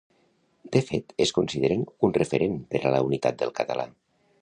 De fet, es consideren un referent per a la unitat del català.